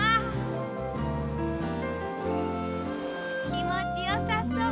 きもちよさそう。